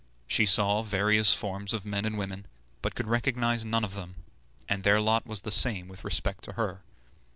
She saw various forms of men and women, but could recognize none of them; and their lot was the same with respect to her.